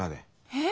えっ？